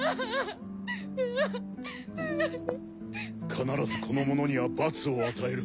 必ずこの者には罰を与える。